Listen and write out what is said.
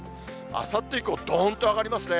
あさって以降、どんと上がりますね。